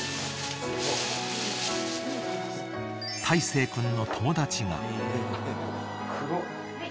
［大生君の友達が］